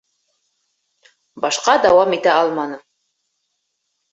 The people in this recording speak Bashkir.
Башҡа дауам итә алманым.